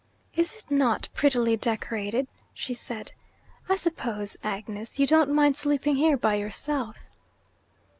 'Is it not prettily decorated?' she said. 'I suppose, Agnes, you don't mind sleeping here by yourself.?'